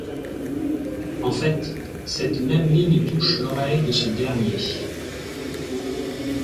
En fait, cette même ligne touche l'oreille de ce dernier.